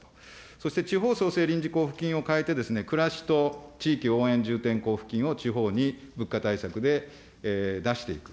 そして地方創生臨時交付金を変えて、暮らしと地域応援重点交付金を地方に物価対策で出していく。